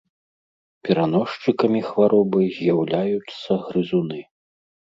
Пераносчыкамі хваробы з'яўляюцца грызуны.